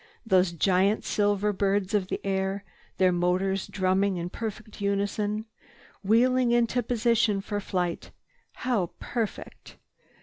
Those giant silver birds of the air, their motors drumming in perfect unison, wheeling into position for flight—how perfect!